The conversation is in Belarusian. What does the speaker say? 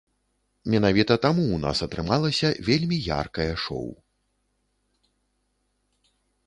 Менавіта таму ў нас атрымалася вельмі яркае шоў.